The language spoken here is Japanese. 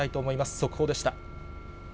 速報でした。